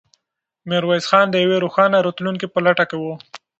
میرویس خان د یوې روښانه راتلونکې په لټه کې و.